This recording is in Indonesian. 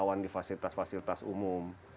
rawan di fasilitas fasilitas umum